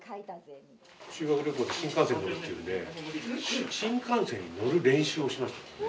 修学旅行で新幹線に乗るっていうんで新幹線に乗る練習をしましたね。